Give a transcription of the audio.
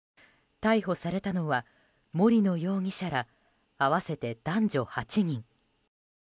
逮捕されたのは森野容疑者ら合わせて男女８人。